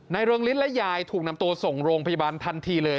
เรืองฤทธิและยายถูกนำตัวส่งโรงพยาบาลทันทีเลย